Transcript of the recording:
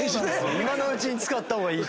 今のうちに使った方がいい。